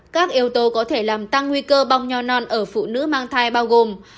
các yếu tố có thể làm tăng nguy cơ bong nho non ở phụ nữ mang thai bao gồm